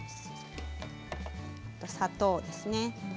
砂糖ですね。